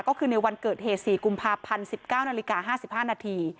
ก็คือในวันเกิดเหตุ๔กุมภาพันธ์๑๙นาฬิกา๕๕นาที